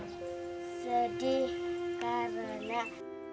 sedih karena itu